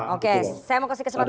oke saya mau kasih kesempatan